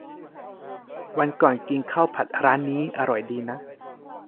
วันก่อนกินข้าวผัดร้านนี้ อร่อยดีนะ